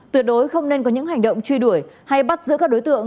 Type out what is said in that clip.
tuyệt đối không nên có những hành động truy đuổi hay bắt giữ các đối tượng